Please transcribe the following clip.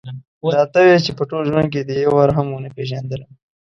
دا ته وې چې په ټول ژوند کې دې یو وار هم ونه پېژندلم.